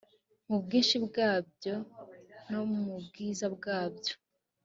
mu bwinshi bwabyo no mu bwiza bwabyo